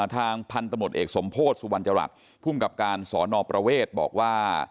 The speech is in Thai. ทางพันธมตเอกสมโพธิสุวรรณจรัฐภูมิกับการสอนอประเวทบอกว่า